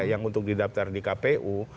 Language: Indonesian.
yang untuk didaftar di kpu